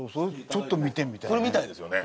ちょっと見てみたいね。